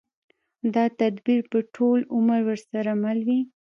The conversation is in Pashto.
دا تدبير به ټول عمر ورسره مل وي.